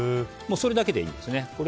それだけでいいんです。